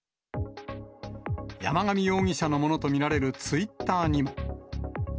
山上容疑者のものと見られるツイッターにも。